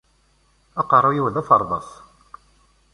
Aqeṛṛu-iw d aferḍas